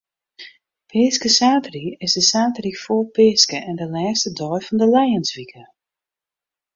Peaskesaterdei is de saterdei foar Peaske en de lêste dei fan de lijenswike.